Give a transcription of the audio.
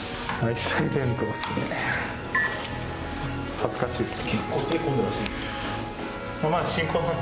恥ずかしいっすね。